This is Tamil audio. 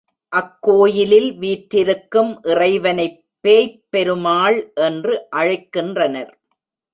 அக் கோயிலில் வீற்றிருக்கும் இறைவனைப் பேய்ப் பெருமாள் என்று அழைக்கின்றனர்.